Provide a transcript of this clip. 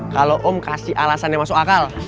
kalau om kasih alasannya masuk akal